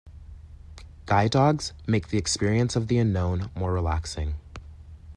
Guide dogs make the experience of the unknown more relaxing.